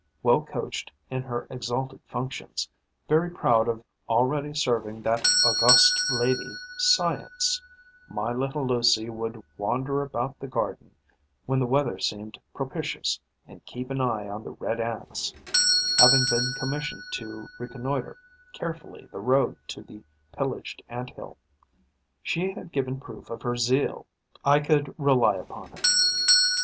Well coached in her exalted functions, very proud of already serving that august lady, Science, my little Lucie would wander about the garden, when the weather seemed propitious, and keep an eye on the Red Ants, having been commissioned to reconnoitre carefully the road to the pillaged Ant hill. She had given proof of her zeal; I could rely upon it.